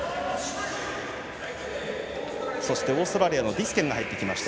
オーストラリアのディスケンが入ってきました。